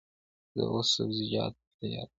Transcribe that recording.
زه اوس سبزېجات تياروم!